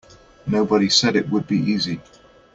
Nobody said it would be easy.